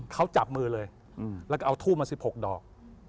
เขาจับมือเลยแล้วก็เอาทูบมา๑๖ดอก